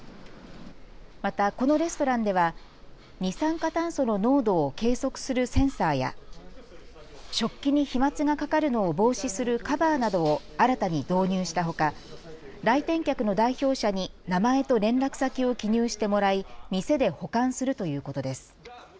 またこのレストランでは二酸化炭素の濃度を計測するセンサーや食器に飛まつがかかるのを防止するカバーなどを新たに導入したほか来店客の代表者に名前と連絡先を記入してもらい店で保管するということです。